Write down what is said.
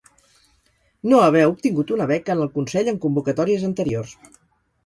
No haver obtingut una beca en el Consell en convocatòries anteriors.